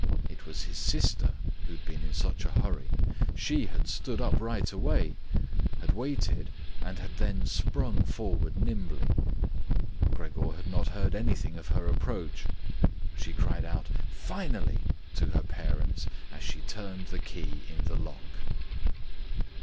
It was his sister who had been in such a hurry. She had stood up right away, had waited, and had then sprung forward nimbly. Gregor had not heard anything of her approach. She cried out "Finally!" to her parents, as she turned the key in the lock.